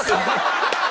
ハハハハ！